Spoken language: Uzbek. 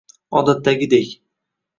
Odatdagidek.